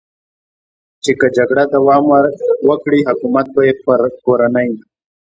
چې که جګړه دوام وکړي، حکومت به یې پر کورنۍ.